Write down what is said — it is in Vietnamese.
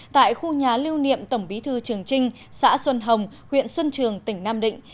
tại khu nhà lưu niệm tổng bí thư trường trinh xã xuân hồng huyện xuân trường tỉnh nam định